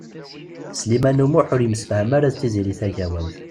Sliman U Muḥ ur yemsefham ara d Tiziri Tagawawt.